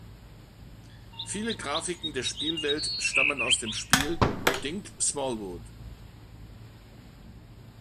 Viele Grafiken der Spielwelt stammen aus dem Spiel "Dink Smallwood".